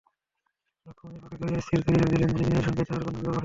লক্ষ্ণীমণি পাকা করিয়াই স্থির করিয়া দিলেন যে, বিনয়ের সঙ্গেই তাঁহার কন্যার বিবাহ হইবে।